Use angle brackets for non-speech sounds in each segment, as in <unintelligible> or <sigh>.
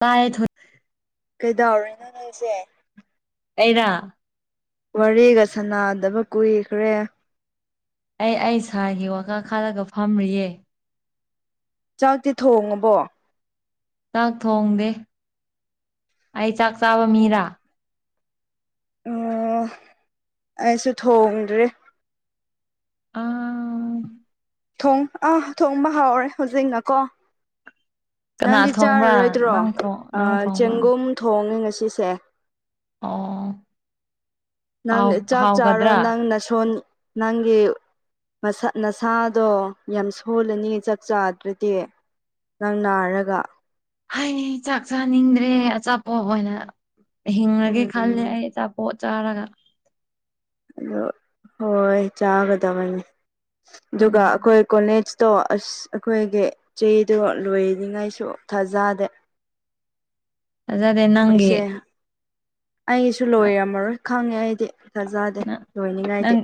ꯥꯏꯣꯏ ꯀꯩꯗꯧꯔꯤꯅꯣ ꯅꯪꯁꯦ ꯑꯩꯗ ꯋꯥꯔꯤꯒ ꯁꯥꯟꯅꯗꯕ ꯀꯨꯏꯈ꯭ꯔꯦ ꯑꯩ ꯑꯩ ꯁꯥꯥꯏꯒꯤ ꯋꯥꯀꯥ ꯈꯥꯜꯂꯒ ꯐꯝꯔꯤꯌꯦ ꯆꯥꯛꯇꯤ ꯊꯣꯡꯉꯕꯣ ꯆꯥꯛ ꯊꯣꯡꯗꯦ ꯑꯩ ꯆꯥꯛ ꯆꯥꯕ ꯃꯤꯔꯥ ꯑꯣ ꯑꯩꯁꯨ ꯊꯣꯡꯗ꯭ꯔꯦ ꯑꯥ ꯊꯣꯡ ꯑꯥ ꯊꯣꯡꯕ ꯍꯥꯎꯔꯦ ꯍꯧꯖꯤꯛꯅꯀꯣ ꯀꯅꯥ ꯅꯪꯗꯤ ꯊꯣꯡꯕ꯭ꯔꯥ ꯆꯥꯔꯔꯣꯏꯗ꯭ꯔꯣ ꯅꯪ ꯊꯣꯡ ꯅꯪ ꯊꯣꯡꯕ꯭ꯔꯥ ꯆꯦꯡꯒꯨꯝ ꯊꯣꯡꯉꯦ ꯉꯁꯤꯁꯦ ꯑꯥ ꯅꯪ ꯆꯥꯛ ꯆꯥꯔꯣ ꯅꯪ ꯅꯁꯣꯟ ꯅꯪꯒꯤ ꯁ ꯅꯁꯥꯗꯣ ꯌꯥꯝ ꯁꯣꯜꯂꯅꯤ ꯆꯥꯛ ꯆꯥꯗ꯭ꯔꯗꯤ ꯅꯪ ꯅꯥꯔꯒ ꯍꯥꯏꯅꯦ ꯆꯥꯛ ꯆꯥꯅꯤꯡꯗ꯭ꯔꯦ ꯑꯆꯥꯄꯣꯠ ꯑꯣꯏꯅ ꯍꯤꯡꯉꯒꯦ ꯈꯜꯂꯦ ꯎꯝ ꯑꯩ ꯑꯆꯥꯄꯣꯠ ꯆꯥꯔꯒ ꯑꯗꯣ ꯍꯣꯏ ꯆꯥꯒꯗꯕꯅꯤ ꯎꯝ ꯑꯗꯨꯒ ꯑꯩꯈꯣꯏ ꯀꯣꯂꯦꯖ ꯇꯣ ꯑꯁ ꯑꯩꯈꯣꯏꯒꯤ ꯆꯦꯗꯣ ꯂꯣꯏꯔꯤꯉꯩꯁꯨ ꯊꯥꯖꯗꯦ ꯑꯗꯦ ꯅꯪꯦ ꯃꯣꯏꯁꯦ ꯑꯩꯁꯨ ꯂꯣꯏꯔꯝꯃꯔꯣꯏ ꯈꯪꯉꯦ ꯑꯩꯗꯤ ꯊꯥꯖꯗꯦ ꯂꯣꯏꯅꯤꯡꯉꯥꯏꯗꯤ ꯅꯪ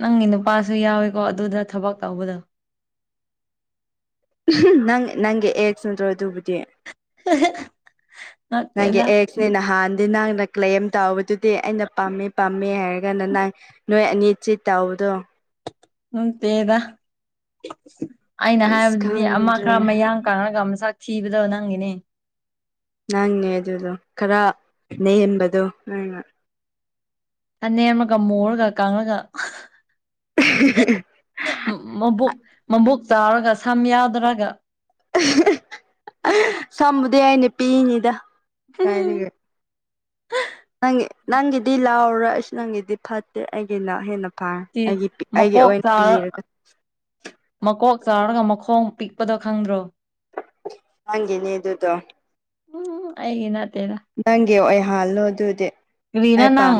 ꯅꯪꯒꯤ ꯅꯨꯄꯥꯁꯨ ꯌꯥꯎꯋꯤ ꯀꯣ ꯑꯗꯨꯗ ꯊꯕꯛ ꯇꯧꯕꯗ ꯅꯪ ꯅꯪꯒꯤ ꯑꯦꯛꯁ ꯅꯠꯇ꯭ꯔꯣ ꯑꯗꯨꯕꯨꯗꯤ ꯅꯪ ꯅꯠꯇꯦꯗ ꯑꯦꯁꯅꯤꯅ ꯍꯥꯥꯟ ꯑꯗꯩ ꯅꯪꯅ ꯀ꯭ꯂꯦꯝ ꯇꯥꯎꯕꯗꯨꯗꯤ ꯑꯩꯅ ꯄꯥꯝꯃꯦ ꯄꯥꯝꯃꯦ ꯍꯥꯏꯔꯒꯅ ꯅꯍꯪ ꯅꯣꯏ ꯑꯅꯤ ꯎꯆꯤꯠꯥꯎꯗꯣ ꯎ ꯇꯗ ꯑꯩꯅ ꯑꯁ ꯍꯥꯏꯕꯗꯤ ꯑꯃ ꯈꯪꯗ꯭ꯔꯦ ꯈꯔ ꯃꯌꯥꯡ ꯀꯥꯉꯒ ꯃꯁꯛ ꯊꯤꯕꯗꯕ ꯅꯪꯒꯤꯅꯦ ꯅꯪꯅꯦꯦ ꯑꯗꯨꯗꯣ ꯈꯔ ꯅꯦꯝꯕꯗꯣ ꯅꯪꯅ ꯑ ꯅꯦꯝꯃꯒ ꯃꯣꯨꯔꯒ ꯀꯥꯡꯂꯒ ꯃꯕꯨꯛ ꯃꯕꯨꯛ ꯆꯥꯎꯔꯒ ꯁꯝ ꯌꯥꯗꯔꯒ ꯁꯝꯕꯗꯤ ꯑꯩꯅ ꯄꯤꯏꯉꯤꯗ ꯍꯝ ꯅꯪꯒꯤ ꯅꯪꯒꯤꯗꯤ ꯂꯥꯎꯔꯣ ꯑꯩꯁꯨ ꯅꯪꯒꯤꯗꯤ ꯐꯠꯇꯦ ꯑꯩꯒꯤꯅ ꯍꯦꯟꯅ ꯑꯩꯒꯤ ꯑꯩꯒꯤ ꯃꯀꯣꯛ ꯑꯣꯏꯅ ꯆꯥꯎꯔ ꯄꯤꯔꯒ ꯃꯀꯣꯛ ꯆꯥꯔꯒ ꯃꯈꯣꯡ ꯄꯤꯛꯄꯗ ꯈꯪꯗ꯭ꯔꯣ ꯅꯦꯅꯦ ꯑꯗꯨꯗꯨꯗꯣ ꯎꯝ ꯑꯩꯒꯤꯅꯥꯇꯦꯅ ꯀꯦ ꯑꯣꯏ ꯍꯥꯜꯂꯣ ꯑꯗꯨꯗꯤ ꯀꯔꯤꯅ ꯑꯩ ꯅꯪ ꯄꯥꯝ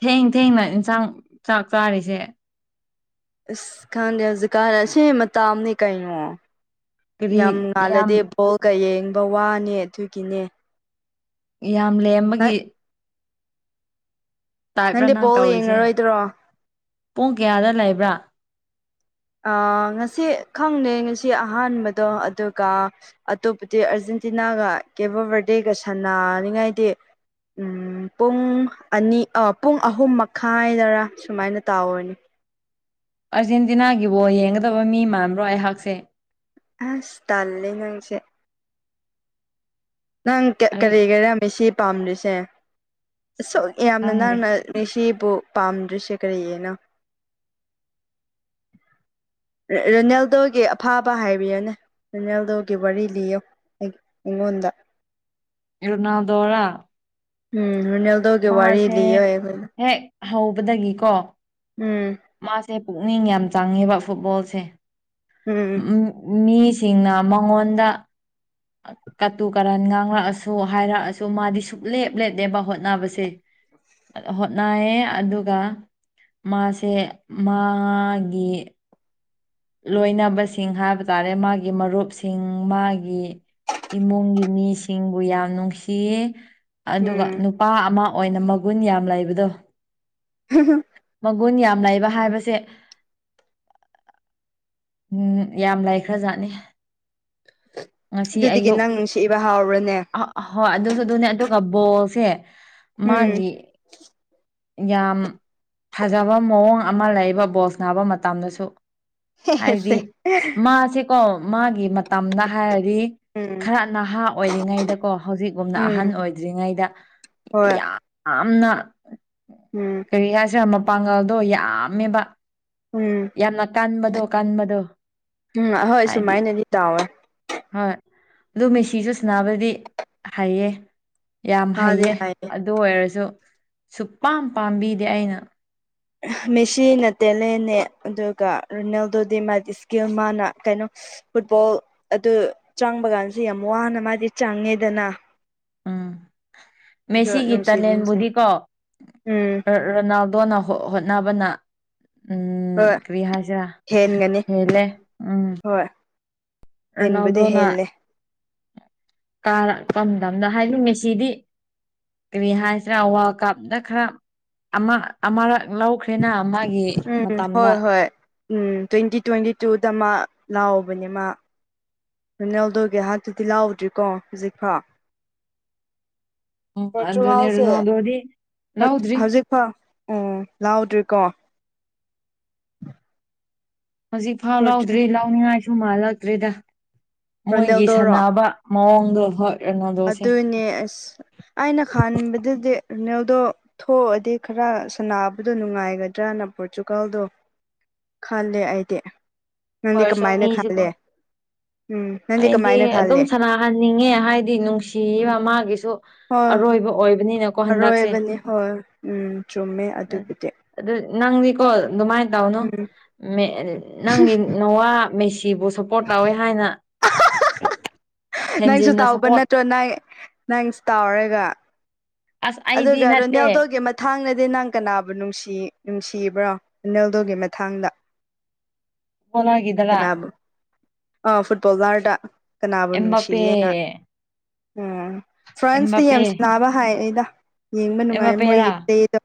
ꯊꯦꯡ ꯊꯦꯡꯅ ꯏꯟꯁꯥꯡ ꯆꯥꯛ ꯆꯥꯔꯤꯁꯦ ꯑꯁ ꯈꯪꯗꯦ ꯍꯧꯖꯤꯛꯀꯥꯟꯂꯁꯦ ꯃꯇꯥꯝꯅꯦ ꯀꯩꯅꯣ ꯀꯔꯤ ꯌꯥꯝ ꯌꯥꯝ ꯉꯥꯜꯂꯗꯤꯦ ꯕꯣꯜꯒ ꯌꯦꯡꯕ ꯋꯥꯅꯦ ꯑꯗꯨꯒꯤꯅꯦ ꯌꯥꯝ ꯂꯦꯝ ꯅꯪ ꯑꯃꯒꯤ ꯇꯥꯏꯕ꯭ꯔꯥ ꯅꯪꯗꯤ ꯅꯪ ꯕꯣꯜ ꯇꯧꯔꯤꯁꯦ ꯌꯦꯡꯉꯔꯣꯏꯗ꯭ꯔꯣ ꯄꯨꯡ ꯀꯌꯥꯗ ꯂꯩꯕ꯭ꯔꯥ ꯉꯁꯤ ꯈꯪꯅꯩ ꯉꯁꯤ ꯑꯍꯥꯟꯕꯗꯣ ꯑꯗꯨꯒ ꯑꯇꯣꯞꯄꯗꯤ ꯑꯔꯖꯤꯦꯟ ꯑꯦꯟꯇꯤꯅꯥꯒ ꯀꯦꯕ ꯕꯥꯔꯗꯦꯒ ꯁꯥꯟꯅꯅꯤꯉꯥꯏꯗꯤ ꯎꯝ ꯄꯨꯡ ꯑꯅꯤ ꯄꯨꯡ ꯑꯍꯨꯝ ꯃꯈꯥꯏꯗꯔꯥ ꯁꯨꯃꯥꯏꯅ ꯇꯥꯎꯔꯅꯤ ꯑꯥꯔꯖꯦꯟꯇꯤꯅꯥꯒꯤꯕꯨꯣ ꯌꯦꯡꯒꯗꯕ ꯃꯤ ꯃꯥꯟꯕ꯭ꯔꯣ ꯑꯩꯍꯥꯛꯁꯦ ꯑ ꯁ ꯇꯂꯅꯁꯦ ꯅꯪ ꯑꯩ ꯀꯔꯤ ꯂꯩꯔꯝꯃꯤ ꯁꯤ ꯄꯥꯝꯂꯤꯁꯦ ꯁ ꯌꯥꯝꯅ ꯈꯪꯗꯦ ꯅꯅꯥꯪꯟꯅ ꯁꯤ ꯄꯥꯝꯗ꯭ꯔꯤꯁꯦ ꯀꯔꯤꯌꯦꯅ ꯔꯣꯅꯦꯜꯗꯣꯒꯤ ꯑꯐꯥꯕ ꯍꯥꯏꯕꯤꯌꯅꯦ ꯇꯣꯀꯦꯕꯤ ꯂꯣ ꯏꯉꯣꯗ ꯏꯔꯅꯥꯎꯗꯣꯔꯥ ꯎꯝ ꯍꯅꯦꯜꯗꯒꯦ ꯋꯥꯔꯤꯔ ꯂꯩ ꯌꯥꯈꯅ ꯍꯦꯛ ꯍꯧꯕꯗꯒꯤꯀꯣ ꯎꯝ ꯁꯦ ꯄꯨꯛꯅꯤꯡ ꯌꯥꯝ ꯆꯪꯉꯦꯕ ꯐꯨꯠꯕꯣꯜꯁꯦ ꯎꯝ ꯃꯤꯁꯤꯡꯅ ꯃꯉꯣꯟꯗ ꯀꯇꯨ ꯀꯔꯟ ꯉꯥꯡꯂꯛꯑꯁꯨ ꯍꯥꯏꯔꯛꯑꯁꯨ ꯃꯥꯗꯤ ꯁꯨꯡꯛꯂꯦꯞ ꯂꯦꯞꯅꯦꯕ ꯍꯣꯠꯅꯕꯁꯦ ꯍꯣꯠꯅꯌꯦ ꯑꯗꯨꯒ ꯃꯥꯁꯦ ꯃꯥꯒꯤ ꯂꯣꯏꯅꯕꯁꯤꯡ ꯍꯥꯏꯕ ꯇꯥꯔꯦ ꯃꯥꯒꯤ ꯃꯔꯨꯞꯁꯤꯡ ꯃꯥꯒꯤ ꯏꯃꯨꯡꯒꯤ ꯃꯤꯁꯤꯡꯕꯨ ꯌꯥꯝ ꯅꯨꯡꯁꯤꯌꯦ ꯑꯗꯨꯒ ꯎꯝ ꯅꯨꯄꯥ ꯑꯃ ꯑꯣꯏꯅ ꯃꯒꯨꯟ ꯌꯥꯝ ꯂꯩꯕꯗꯣ ꯍ ꯃꯒꯨꯟ ꯌꯥꯝ ꯂꯩꯕ ꯍꯥꯏꯕꯁꯦ ꯎꯝ ꯌꯥꯝ ꯂꯥꯏ ꯈꯔꯖꯥꯠꯅꯤ ꯉꯁꯤ ꯑꯗꯨꯗꯒꯤ ꯑꯌꯨꯛ ꯅꯪ ꯅꯨꯡꯁꯤꯕ ꯍꯥꯎꯔꯅꯦ ꯑ ꯍꯣꯏ ꯑꯗꯨꯁꯨ ꯑꯗꯨꯅꯦ ꯑꯗꯨꯒ ꯕꯣꯜꯁꯦ ꯎꯝ ꯃꯥꯒꯤꯦ ꯌꯥꯝ ꯐꯖꯕ ꯃꯑꯣꯡ ꯑꯃ ꯂꯩꯕ ꯕꯣꯁ ꯅꯥꯕ ꯃꯇꯝꯗꯁꯨ ꯍꯦ ꯍꯥꯏꯗꯤ ꯍꯦꯁꯦ ꯃꯥꯁꯦꯀꯣ ꯃꯥꯒꯤ ꯃꯇꯝꯗ ꯍꯥꯏꯔꯒ ꯎꯝ ꯈꯔ ꯅꯍꯥ ꯑꯣꯏꯔꯤꯉꯩꯗꯀꯣ ꯍꯧꯖꯤꯛꯒꯨꯝꯅ ꯎꯝ ꯑꯍꯟ ꯑꯣꯏꯗ꯭ꯔꯤꯉꯩꯗ ꯍꯣꯏ ꯌꯥꯝꯅ ꯎꯝ ꯀꯔꯤ ꯍꯥꯏꯁꯤꯔ ꯃꯄꯥꯡꯒꯜꯗꯣ ꯌꯥꯝꯃꯦꯕ ꯎꯝ ꯌꯥꯝꯅ ꯀꯥꯟꯕꯗꯣ ꯀꯥꯟꯕꯗꯣ ꯎꯝ ꯑꯍꯣꯏ ꯍꯥꯏꯗꯤ ꯁꯨꯃꯥꯏꯅꯗꯤ ꯇꯥꯎꯋꯦ ꯍꯣꯏ ꯑꯗꯨ ꯃꯦꯁꯤꯁꯨ ꯁꯅꯕꯗꯤ ꯍꯥꯏꯌꯦ ꯌꯥꯝ ꯃꯥꯗꯤ ꯍꯩꯌꯦ ꯍꯥꯏꯌꯦ ꯑꯗꯨ ꯑꯣꯏꯔꯁꯨ ꯁꯨꯄꯥꯝ ꯄꯥꯝꯕꯤꯗꯤꯦ ꯑꯩꯅ ꯃꯦꯁꯤꯅ ꯇꯦꯂꯦꯟꯅꯦ ꯑꯗꯨꯒ ꯔꯣꯅꯦꯜꯗꯣꯗꯤ ꯃꯥꯗꯤ ꯏꯁꯀꯤꯜ ꯃꯥꯅ ꯀꯩꯅꯣ ꯐꯨꯠꯕꯣꯜ ꯑꯗꯨ ꯆꯪꯕ ꯀꯥꯟꯁꯤꯦ ꯌꯥꯝ ꯋꯥꯅ ꯃꯥꯗꯤ ꯆꯪꯉꯦꯗꯅ ꯎꯝ ꯑꯗꯣ ꯃꯦꯁꯤꯒꯤ ꯅꯨꯡꯁꯤꯕꯤꯁꯦ ꯇꯥꯂꯦꯟꯕꯨꯗꯤꯀꯣ ꯎꯝ ꯔꯣꯅꯥꯜꯗꯣꯅ ꯍꯣꯠꯅꯕꯅ ꯎꯝ ꯍꯣꯏ ꯀ꯭ꯔꯤꯌꯥꯁꯤ ꯍꯦꯟꯒꯅꯤ ꯍꯦꯦ ꯎꯝ ꯍꯕꯗꯤ ꯍꯦꯜꯂꯦ ꯀꯥꯔꯛꯄꯗꯝꯗ ꯍꯥꯏꯅꯤꯡꯃꯦ ꯁꯤꯗꯤ ꯀꯔꯤ ꯍꯥꯏꯁꯤꯔꯥ ꯋꯥꯔꯜ ꯀꯞꯇ ꯈꯔ ꯑꯃ ꯑꯃꯛ ꯎꯝ ꯍꯣꯏ ꯍꯣꯏ ꯎꯝ ꯇ꯭ꯋꯦꯟꯇꯤ ꯇ꯭ꯋꯦꯟꯇꯤ ꯇꯨꯗ ꯃꯥ ꯂꯥꯛꯕꯅꯦ ꯃꯥ ꯐꯅꯦꯜꯗꯒꯦꯍꯥꯛꯠꯇꯨꯗꯤ ꯂꯥꯛꯎꯗ꯭ꯔꯤꯀꯣ ꯍꯧꯖꯤꯛꯐꯥꯎ ꯎꯝ ꯑꯗꯨꯅꯦ ꯆꯤꯍꯥꯎꯁꯦ ꯔꯣꯅꯥꯜꯗꯣꯗꯤ ꯂꯧꯗ꯭ꯔꯤ ꯍꯧꯖꯤꯛ ꯐꯥꯎ ꯑꯣ ꯂꯥꯛꯗ꯭ꯔꯤꯀꯣ ꯍꯧꯖꯤꯛꯐꯥꯎ ꯂꯧꯗ꯭ꯔꯤ ꯂꯥꯎꯅꯤꯡꯉꯥꯏꯁꯨ ꯃꯥꯜꯂꯛꯇ꯭ꯦꯗ ꯃꯣꯏꯒꯤ ꯔꯣꯅꯦꯜꯗꯣꯔꯣ ꯁꯥꯟꯅꯕ ꯃꯣꯡꯒ ꯍꯣꯏ ꯔꯣꯅꯥꯜꯗꯣꯁꯦ ꯑꯗꯨꯅꯦ ꯑꯁ ꯑꯩꯅ ꯈꯟꯕꯗꯗꯤ ꯔꯤꯅꯦꯜꯗꯣ ꯊꯣꯛꯑꯗꯤ ꯈꯔ ꯁꯕꯗꯣ ꯅꯨꯡꯉꯥꯏꯒꯗ꯭ꯔꯅ ꯄꯣꯔꯆꯨꯒꯥꯜꯗꯣ ꯈꯜꯂꯦ ꯑꯩꯗꯤ ꯅꯪꯗꯤ ꯑꯣꯏꯔꯁꯨ ꯀꯃꯥꯏꯅ ꯃꯤꯁꯤꯀꯣ ꯈꯜꯂꯦ ꯎꯝ ꯅꯪꯗꯤ ꯑꯩꯗꯤ ꯀꯃꯥꯏꯅ ꯑꯗꯨꯝ ꯈꯜꯂꯦ ꯁꯥꯟꯅꯍꯟꯅꯤꯡꯉꯦ ꯍꯥꯏꯗꯤ ꯅꯨꯡꯁꯤꯕ ꯃꯥꯒꯤꯁꯨ ꯑꯔꯣꯏꯕ ꯑꯣꯏꯕꯅꯤꯅꯀꯣ ꯍꯟꯗꯛꯁꯦ ꯍꯔꯣꯏꯕꯅꯤ ꯍꯣꯏ ꯎꯝ ꯇꯃꯦ ꯑꯗꯨꯕꯨꯗꯤ ꯑꯗꯨ ꯅꯪꯗꯤꯀꯣ ꯑꯗꯨꯃꯥꯏꯅ ꯇꯧꯅꯣ ꯎꯝ ꯅꯪꯒꯤ ꯅꯋꯥ ꯃꯦꯁꯤ ꯀꯤꯕꯨ ꯁꯞꯄꯣꯔꯠ ꯇꯧꯋꯦ ꯍꯥꯏꯅ ꯅꯪꯁꯨ ꯍꯦꯟꯖꯤꯟꯅ ꯇꯥꯎꯕ ꯁꯞꯄꯣꯔꯠ ꯅꯠꯇ꯭ꯔꯣ ꯅꯪ ꯅꯪꯁꯨ ꯇꯥꯎꯔꯒ ꯑꯁ ꯑꯩꯗꯤ ꯑꯗꯨꯒ ꯅꯠꯇꯦ ꯔꯨꯗꯦꯜꯗꯣꯒꯤ ꯃꯊꯥꯡꯅꯗꯤ ꯅꯪ ꯀꯅꯥꯕꯨ ꯅꯨꯡꯁꯤ ꯅꯨꯡꯁꯤꯕ꯭ꯔꯣ ꯑꯦꯅꯦꯜꯗꯨꯒꯤ ꯃꯇꯊꯥꯡꯗ ꯍꯂꯒꯗꯔꯥ ꯑꯥ ꯐꯨꯠꯕꯣꯜ ꯔꯗ ꯀꯅꯥꯕꯨ ꯑꯦꯝꯕꯥꯄꯦ ꯅꯨꯡꯁꯤꯌꯦꯦꯅ ꯎꯝ ꯐ꯭ꯔꯥꯟꯁꯇ ꯑꯦꯝꯕꯥꯄꯦ ꯌꯥꯝꯁ ꯅꯥꯕ ꯍꯥꯏ ꯑꯩꯗ ꯌꯦꯡꯕ ꯅꯨꯡꯉꯥꯏ ꯑꯦꯝꯕꯥꯄꯦꯔꯥ ꯃꯣꯏꯒꯤꯗ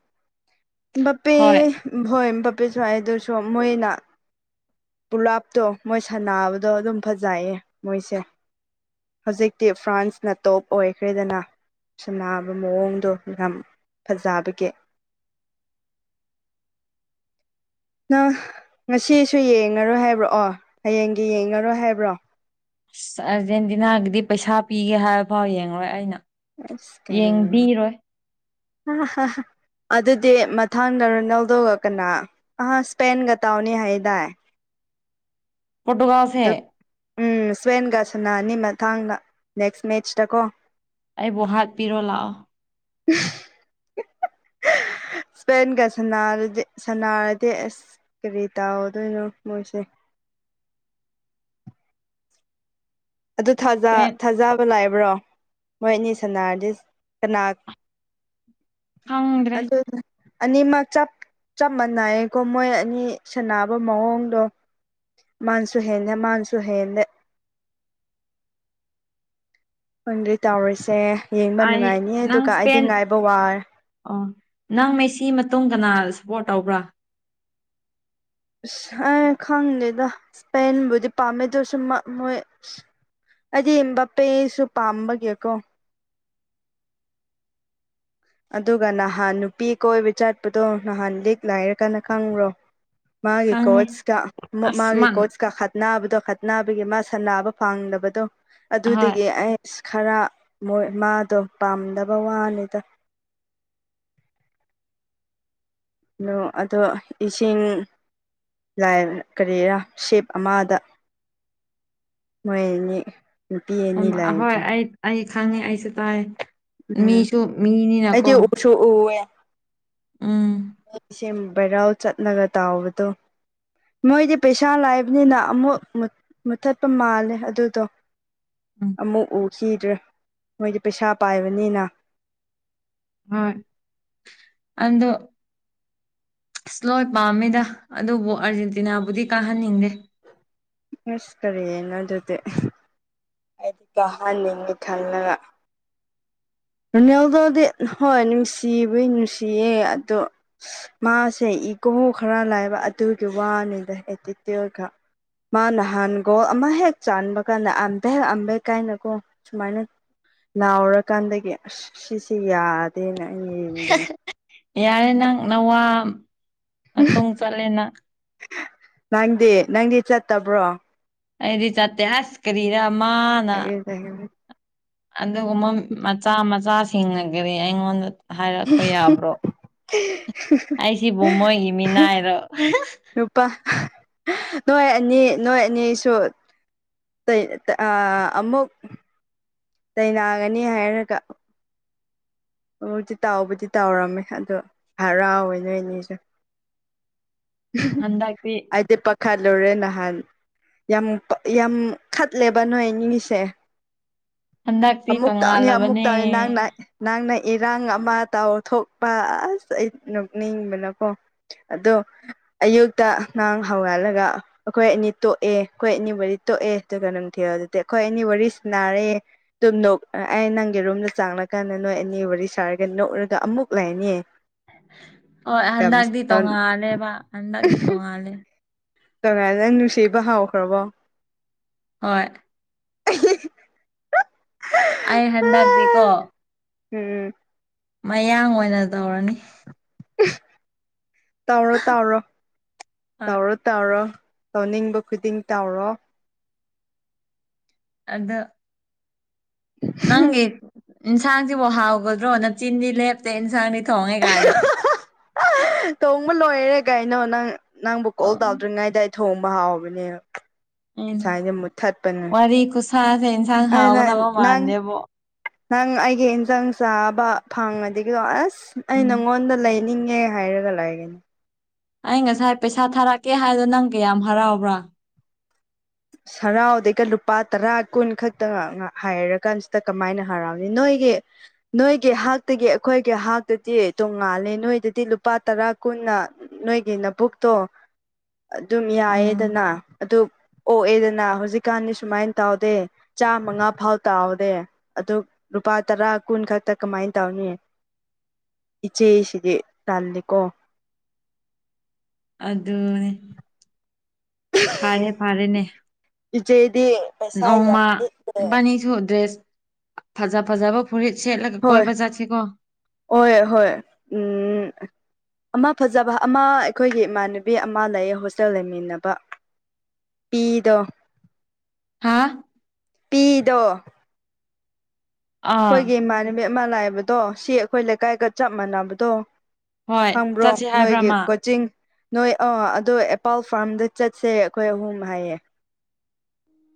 ꯕꯄꯦ ꯍꯣꯏ ꯍꯣꯏ ꯕꯄꯦꯁꯨ ꯍꯥꯏ ꯑꯗꯨꯁꯨ ꯃꯣꯏꯅ ꯄꯨꯂꯥꯞꯇꯣ ꯃꯣꯏ ꯁꯥꯟꯅꯕꯗꯣ ꯑꯗꯨꯝ ꯐꯖꯩꯌꯦ ꯃꯣꯏꯁꯦ ꯍꯧꯖꯤꯛꯇꯤ ꯐ꯭ꯔꯥꯟꯁꯅ ꯇꯣꯞ ꯑꯣꯏꯈ꯭ꯔꯦꯗꯅ ꯁꯕ ꯃꯑꯣꯡꯗꯣ ꯌꯥꯝ ꯐꯖꯕꯒꯤꯦ ꯅꯪ ꯉꯁꯤꯁꯨ ꯌꯦꯡꯂꯡꯉꯔꯣꯏ ꯍꯥꯏꯕ꯭ꯔꯣꯑꯣ ꯍꯌꯦꯡꯒꯤ ꯌꯦꯡꯉꯔꯣꯏ ꯍꯥꯏꯕ꯭ꯔꯣ ꯑꯁ ꯑꯥꯔꯖꯦꯟꯇꯤꯅꯥꯒꯤꯗꯤ ꯄꯩꯁꯥ ꯄꯤꯒꯦ ꯍꯥꯏꯕ ꯐꯥꯎ ꯌꯦꯡꯂꯡꯉꯔꯣꯏ ꯑꯩꯅ ꯑꯁ ꯀ ꯌꯦꯡꯕꯤꯔꯣꯏ ꯑꯗꯨꯗꯤ ꯃꯊꯪꯗ ꯔꯣꯅꯦꯜꯗꯒ ꯀꯅꯥ ꯑ ꯏꯁꯄꯦꯟꯒ ꯇꯥꯎꯅꯤ ꯍꯥꯏꯗꯥꯏ ꯄꯣꯗꯨꯒꯥꯥꯁꯦ ꯑꯗꯨ ꯎꯝ ꯁ꯭ꯋꯦꯟꯒ ꯁꯅ ꯑꯅꯤ ꯃꯇꯥꯡꯗ ꯅꯦꯛꯁ ꯃꯦꯠꯆꯇꯀꯣ ꯑꯩꯕꯨ ꯍꯥꯠꯄꯤꯔꯣ ꯂꯥꯛꯑꯣ <inaudible> <unintelligible> ꯏꯁꯄꯦꯟꯒꯗꯤ ꯁꯅꯔꯗꯤ ꯑꯁ ꯀꯔꯤ ꯇꯧꯗꯣꯏꯅꯣ ꯃꯣꯏꯁꯦ ꯑꯗꯨ ꯊꯥꯖꯕ ꯂꯥꯛꯑꯕ꯭ꯔꯣ ꯃꯣꯏꯅꯤ ꯁꯅꯥꯔꯗꯤ ꯀꯅꯥ ꯍꯥꯎꯗ꯭ꯔꯦ ꯑꯅꯤꯃꯛꯞ ꯆꯞ ꯃꯥꯟꯅꯩꯌꯦꯀꯣ ꯃꯣꯏ ꯑꯅꯤ ꯁꯅꯕ ꯃꯑꯣꯡꯗꯣ ꯃꯥꯟꯁꯨ ꯍꯦꯟꯗ ꯃꯥꯟꯁꯨ ꯍꯦꯟꯗ ꯈꯪꯗꯦ ꯇꯧꯔꯤꯁꯦ ꯌꯦꯡꯕ ꯑꯩ ꯅꯨꯡꯉꯥꯏꯅꯤꯌꯦ ꯅꯪ ꯑꯗꯨꯒ ꯑꯩꯗꯤ ꯏꯁꯄꯦꯟ ꯉꯥꯏꯕ ꯋꯥꯔꯦ ꯑꯣ ꯅꯪ ꯉꯩꯁꯤ ꯃꯇꯨꯡ ꯀꯅꯥ ꯁꯄꯣꯔꯠ ꯇꯧꯕ꯭ꯔꯥ ꯑꯁ ꯑꯩ ꯈꯪꯗꯦꯗ ꯏꯁꯄꯦꯟꯕꯨꯗꯤ ꯄꯥꯝꯃꯦꯗꯨꯧꯁꯨ ꯃꯣꯏ ꯑꯁ ꯑꯩ ꯏ ꯄꯦꯁꯨ ꯄꯥꯝꯕꯒꯀꯣ ꯑꯗꯨꯒ ꯅꯍꯥꯟ ꯅꯨꯄꯤ ꯀꯣꯏꯕ ꯆꯠꯄꯗꯣ ꯅꯍꯥꯟ ꯂꯤꯛ ꯂꯥꯏꯔ ꯀꯅ ꯈꯪꯕ꯭ꯔꯣ ꯃꯥꯒꯤꯦ ꯈꯪꯉꯦ ꯀꯣꯠꯀ ꯑꯁ ꯃꯥꯒꯤ ꯃꯟ ꯀꯣꯆꯀ ꯈꯠꯅꯥ ꯍꯥꯕꯗ ꯈꯠꯅꯕꯒꯤ ꯃꯥ ꯁꯅꯥꯕ ꯐꯪꯗꯕꯗꯣ ꯑꯍꯣꯏ ꯑꯗꯨꯗꯒꯤ ꯑꯩ ꯈꯔ ꯃꯣꯏ ꯃꯥꯗꯣ ꯄꯥꯝꯗꯕ ꯋꯥꯅꯤꯗ ꯑꯗꯣ ꯏꯁꯤꯡ ꯀꯔꯤꯔꯥ ꯁꯦꯞ ꯑꯃꯗ ꯃꯣꯏꯅꯤ ꯎ ꯍꯣꯏ ꯑꯩ ꯑꯩ ꯈꯪꯉꯦ ꯑꯩꯁꯨ ꯇꯥꯏ ꯎꯝ ꯃꯤꯁꯨ ꯃꯤꯅꯤꯅꯀꯣ ꯑꯩꯗꯤ ꯎꯁꯨ ꯎꯝ ꯑꯩ ꯏꯁꯦ ꯕꯩꯔꯥꯥꯎ ꯆꯠꯅꯒ ꯇꯥꯎꯕꯗꯣ ꯃꯣꯏꯗꯤ ꯄꯩꯁꯥ ꯂꯥꯏꯕꯅꯤꯅ ꯑꯃꯨꯛ ꯃꯨꯊꯠꯄ ꯃꯥꯜꯂꯦ ꯑꯗꯨꯗꯣ ꯎꯝ ꯑꯃꯨꯛ ꯎꯈꯤꯗ꯭ꯔꯦ ꯃꯣꯏꯗꯤ ꯄꯩꯁꯥ ꯄꯥꯏꯕꯅꯤꯅ ꯍꯣꯏ ꯑꯗ ꯏꯁ꯭ꯂꯣꯏ ꯄꯥꯝꯃꯤꯗ ꯑꯗꯨꯕꯨ ꯑꯥꯔꯖꯦꯟꯇꯤꯅꯥꯕꯨꯗꯤ ꯀꯥꯍꯟꯅꯤꯡꯗꯦ ꯑꯁ ꯇꯔ ꯌꯦꯅꯖꯗꯤ ꯑꯩꯗꯤ ꯀꯥꯍꯟꯅꯤꯡꯗꯤꯦ ꯈꯜꯂꯒ ꯔꯨꯅꯦꯜꯗꯗꯤ ꯍꯣꯏ ꯅꯨꯡꯁꯤꯕꯩ ꯅꯨꯡꯁꯤꯌꯦ ꯑꯗꯣ ꯃꯥꯁꯦ ꯏꯒꯣ ꯈꯔ ꯂꯥꯏꯕ ꯑꯗꯨꯒꯤ ꯋꯥꯅꯤꯗ ꯑꯦꯇꯤꯇ꯭ꯌꯨꯠꯀ ꯃꯥ ꯅꯍꯥꯟꯒꯣ ꯑꯃ ꯍꯦꯛ ꯆꯥꯟꯕ ꯀꯥꯟꯗ ꯑꯗ ꯍꯦꯛ ꯑꯝꯕꯩ ꯀꯥꯏꯅꯀꯣ ꯁꯨꯃꯥꯏꯅ ꯂꯥꯎꯔꯀꯥꯟꯗꯒꯤ ꯑꯁ ꯁꯤꯁꯦ ꯌꯥꯗꯦꯅꯦ ꯌꯥꯔꯦ ꯅꯪ ꯅꯋꯥ ꯆꯠꯂꯅ ꯅꯪꯗꯤ ꯅꯪꯗꯤ ꯆꯠꯇꯕ꯭ꯔꯣ ꯑꯩꯗꯤ ꯆꯠꯇꯦ ꯑꯁ ꯀꯔꯤꯔ ꯃꯥꯅ ꯑꯗꯨꯒꯨꯝꯕ ꯃꯆꯥ ꯃꯆꯥꯁꯤꯡꯅꯒꯦ ꯑꯩꯉꯣꯟꯗ ꯍꯥꯏꯔꯛꯄ ꯌꯥꯕ꯭ꯔꯣ ꯑꯩꯁꯤꯕꯨ ꯃꯣꯏꯒꯤ ꯃꯤꯅꯥꯏꯔꯣ ꯅꯨꯨꯄꯥ ꯅꯣꯏ ꯑꯅꯤ ꯅꯣꯏ ꯑꯅꯤꯁꯨ ꯑꯃꯨꯛ ꯇꯅꯥꯒꯅꯤ ꯍꯥꯏꯔꯒ ꯑꯣꯛꯇꯤ ꯇꯥꯎꯕꯨꯗꯤ ꯇꯥꯎꯔꯝꯃꯦ ꯑꯗꯣ ꯍꯔꯥꯎꯋꯦ ꯅꯣꯏꯅꯦꯁꯨ ꯍꯟꯗꯛꯇꯤ ꯑꯥꯏꯗꯤ ꯄꯈꯂꯣꯔꯦꯅ ꯑꯍꯥꯟ ꯌꯥꯝ ꯌꯥꯝ ꯈꯠꯂꯦꯕ ꯅꯣꯏ ꯅꯤꯡꯁꯦ ꯍꯟꯗꯛꯇꯤ ꯑꯃꯃꯨꯛ ꯇꯅꯤ ꯑꯃꯨꯛ ꯇꯣꯡꯉꯥꯜꯂꯕꯅꯦ ꯇꯅꯤ ꯅ ꯅ ꯏꯔꯥꯡ ꯑꯃ ꯇꯥꯎꯊꯣꯛꯄ ꯑꯁ ꯑꯩ ꯅꯣꯛꯅꯤꯡꯕꯅꯀꯣ ꯑꯗꯣ ꯑꯌꯨꯛꯇ ꯉꯥꯡ ꯍꯧꯒꯜꯂꯒ ꯑꯩꯈꯣꯏ ꯑꯅꯤ ꯇꯣꯛꯑꯦ ꯑꯩꯈꯣꯏ ꯑꯅꯤꯕꯨꯗꯤ ꯇꯣꯛꯑꯦ ꯑꯗꯨꯒ ꯝꯊꯤ ꯑꯗꯨ ꯑꯩꯈꯣꯏ ꯑꯦꯅꯤ ꯋꯥꯔꯤꯁꯤ ꯅꯥꯔꯦ ꯑꯗꯨꯝ ꯅꯣꯛ ꯑꯩ ꯅꯪꯒꯤ ꯔꯨꯝꯗ ꯆꯥꯡꯂꯅꯥꯀꯥꯟꯗ ꯅꯣꯏ ꯑꯦꯅꯤ ꯋꯥꯔꯤ ꯋꯥꯔꯤ ꯁꯥꯔꯒ ꯅꯣꯛꯔꯒ ꯑꯃꯨꯛ ꯂꯥꯏꯅꯤꯅꯦꯌꯦ ꯍꯣꯏ ꯍꯟꯗꯛꯇꯤ ꯇꯣꯡꯉꯥꯜꯂꯦ ꯍꯟꯗꯛꯇꯤ ꯇꯣꯉꯥꯜꯂꯦ ꯀꯃꯥꯏꯅ ꯅꯪ ꯅꯨꯡꯁꯤꯕ ꯍꯥꯎꯈ꯭ꯔꯕꯣ ꯍꯣꯏ <inaudible> ꯑꯩ ꯍꯟꯗꯛꯗꯤꯦꯀꯣ ꯎꯝ ꯃꯌꯥꯡ ꯑꯣꯏꯅ ꯇꯧꯔꯅꯤ ꯇꯧꯔꯣ ꯇꯥꯎꯔꯣ ꯍꯣꯏ ꯇꯧꯔꯣ ꯇꯧꯔꯣ ꯇꯧꯅꯤꯡꯕ ꯈꯨꯗꯤꯡ ꯇꯧꯔꯣ ꯑꯗ ꯅꯪꯒꯤ ꯏꯟꯁꯥꯡꯁꯤꯕꯨ ꯍꯥꯎꯒꯗ꯭ꯔꯣ ꯅ ꯆꯤꯟꯗꯤ ꯂꯦꯞꯇꯦ ꯏꯟꯁꯥꯡꯅꯤ ꯇꯣꯡꯉꯦ ꯀꯥꯏꯅ ꯇꯣꯡꯕ ꯂꯣꯏꯔꯦ ꯀꯥꯏꯅꯣ ꯅꯪ ꯅꯪꯕꯨ ꯀꯣꯜ ꯑꯣ ꯇꯧꯗ꯭ꯔꯤꯉꯩꯗꯏ ꯊꯣꯡꯕ ꯍꯥꯎꯕꯅꯦ ꯎꯝ ꯉꯁꯥꯏꯗ ꯃꯨꯠꯊꯠꯄꯅꯦ ꯋꯥꯔꯤ ꯈꯨꯁꯥꯁꯦ ꯏꯟꯁꯥꯡ ꯑꯗꯨꯅ ꯍꯥꯎꯒꯗꯕ ꯅꯪ ꯃꯥꯟꯗꯦꯕꯣ <inaudible> ꯅꯪ ꯑꯩꯒꯤ ꯏꯟꯁꯥꯡ ꯆꯥꯕ ꯐꯪꯉꯗꯒꯤꯗꯣ ꯑꯁ ꯑꯩ ꯎꯝ ꯅꯪꯉꯣꯟꯗ ꯂꯩ ꯍꯥꯏꯅꯤꯡꯉꯦ ꯍꯥꯏꯔꯒ ꯂꯥꯛꯒꯅꯤ ꯑꯩ ꯉꯁꯥꯏ ꯄꯩꯁꯥ ꯊꯥꯔꯛꯀꯦ ꯍꯥꯏꯗꯣ ꯅꯪ ꯀꯌꯥꯝ ꯍꯔꯥꯎꯕ꯭ꯔꯥ <inaudible> ꯍꯔꯥꯎꯗꯩꯒ ꯂꯨꯄꯥ ꯇꯔꯥ ꯀꯨꯟ ꯈꯛꯇ ꯍꯥꯏꯔ ꯀꯥꯟꯁꯤꯗ ꯀꯃꯥꯏꯅ ꯍꯔꯥꯎꯅꯤ ꯅꯣꯏꯒꯤ ꯅꯣꯏꯒꯤ ꯍꯥꯛꯇꯒꯤ ꯑꯩꯈꯣꯏꯒꯤ ꯍꯥꯛꯇꯗꯤ ꯇꯣꯡꯉꯥꯜꯂꯦ ꯅꯣꯏꯗꯗꯤ ꯂꯨꯄꯥ ꯇꯔꯥ ꯀꯨꯟꯅ ꯅꯣꯏꯒꯤ ꯅ ꯄꯨꯛꯇꯛꯇꯣ <inaudible> ꯑꯗꯨꯝ ꯎꯝ ꯌꯥꯏꯌꯦꯗꯅ ꯑꯗꯨ ꯑꯣ ꯑꯦꯗꯅꯥ ꯍꯧꯖꯤꯛꯀꯥꯟꯗꯤ ꯁꯨꯃꯥꯏꯅ ꯇꯧꯗꯦ ꯆꯥꯃꯉꯥ ꯐꯥꯎ ꯇꯥꯎꯍꯗꯦ ꯑꯗꯨ ꯂꯨꯄꯥ ꯇꯔꯥ ꯀꯨꯟ ꯈꯛꯇ ꯀꯃꯥꯏꯅ ꯇꯧꯅꯤꯌꯦ <unintelligible> ꯏꯆꯦ ꯁꯤꯗꯤ ꯇꯜꯜꯂꯤꯦꯀꯣ ꯑꯗꯨꯗꯅꯦ ꯐꯥꯔꯦ ꯐꯥꯔꯦꯅꯦ ꯏꯆꯦꯗꯤ ꯄꯩꯁꯥ ꯌꯥꯝ ꯅꯣꯡꯣꯡꯃ ꯂꯤꯛꯂꯦ ꯅꯤꯁꯨ ꯗ꯭ꯔꯦꯁ ꯐꯖ ꯐꯖꯕ ꯐꯨꯔꯤꯠ ꯁꯦꯠꯂꯒ ꯍꯣꯏ ꯀꯣꯏꯕ ꯆꯠꯁꯤꯀꯣ ꯍꯣꯏ ꯍꯣꯏ ꯎꯝ ꯑꯃ ꯐꯖꯕ ꯑꯃ ꯑꯩꯈꯣꯏꯒꯤ ꯏꯃꯥꯟꯅꯕꯤ ꯑꯃ ꯂꯩꯌꯦ ꯍꯣꯁꯇꯦꯜ ꯂꯩꯃꯤꯟꯅꯕ ꯄꯤꯗ ꯍꯥ ꯤꯗ ꯑꯥ ꯑꯩꯈꯣꯏꯒꯤ ꯏꯃꯥꯟꯅꯕꯤ ꯑꯃ ꯂꯥꯛꯏꯕꯗꯣ ꯁꯤ ꯑꯩꯈꯣꯏ ꯂꯩꯀꯥꯏꯒ ꯆꯞ ꯃꯥꯟꯅꯕꯗꯣ ꯍꯣꯏ ꯈꯪꯕ꯭ꯔꯣ ꯆꯠꯁꯤ ꯍꯥꯏꯕ꯭ꯔꯥ ꯅꯣꯏꯒꯤ ꯃꯥ ꯀꯣꯆꯤꯡ ꯅꯣꯏ ꯑꯥ ꯑꯗꯣ ꯑꯦꯄꯥꯜ ꯐꯥꯔꯝꯗ ꯆꯠꯁꯦ ꯑꯩꯈꯣꯏ ꯑꯍꯨꯝ ꯍꯥꯏꯌꯦ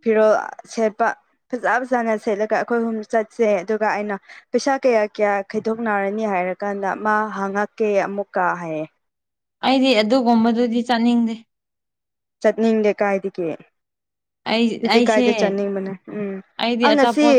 ꯐꯤꯔꯣꯜ ꯁꯦꯠꯄ ꯐꯖ ꯐꯖꯅ ꯁꯦꯠꯂꯒ ꯑꯩꯈꯣꯏ ꯑꯍꯨꯝ ꯆꯠꯁꯦ ꯑꯗꯨꯒ ꯑꯩꯅ ꯄꯩꯁꯥ ꯆꯥ ꯀꯌꯥ ꯀꯌꯥ ꯈꯥꯏꯗꯣꯛꯅꯔꯅꯤ ꯍꯥꯏꯔ ꯀꯥꯟꯗ ꯃꯥ ꯍꯪꯉꯛꯀꯦ ꯑꯃꯨꯛꯀ ꯍꯥꯏꯌꯦ ꯑꯩꯗꯤ ꯑꯗꯨꯒꯨꯝꯕꯗꯨꯗꯤ ꯆꯥꯅꯤꯡꯗꯦ ꯆꯠꯅꯤꯡꯗꯦ ꯀꯥꯏꯗꯒꯦ ꯑꯩ ꯑꯗꯨꯗꯤ ꯑꯩꯁꯦ ꯀꯥꯏꯗ ꯆꯥꯅꯤꯡꯕꯅꯦ ꯎꯝ ꯑꯩꯗꯤ ꯑ ꯉꯁꯤ ꯑꯆꯥꯄꯣꯠ